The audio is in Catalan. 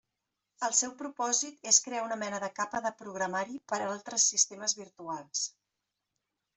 El seu propòsit és crear una mena de capa de programari per altres sistemes virtuals.